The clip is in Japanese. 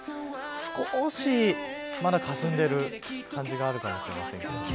少しまだかすんでいる感じがあるかもしれません。